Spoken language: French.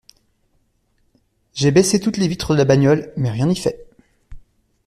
J’ai baissé toutes les vitres de la bagnole, mais rien n’y fait.